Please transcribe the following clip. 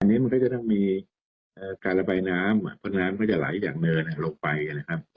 อันนี้มันก็จะต้องมีการระบายน้ำเพราะน้ำก็จะไหลจากเนินลงไปนะครับ